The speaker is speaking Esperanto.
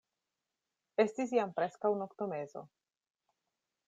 Estis jam preskaŭ noktomezo.